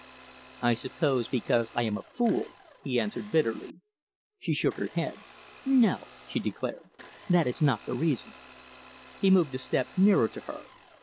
"I suppose because I am a fool," he answered bitterly. She shook her head. "No!" she declared, "that is not the reason." He moved a step nearer to her.